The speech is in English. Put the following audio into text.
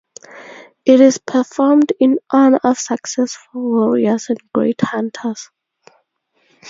It is performed in honour of successful warriors and great hunters.